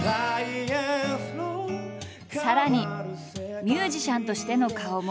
さらにミュージシャンとしての顔も。